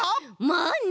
まあね！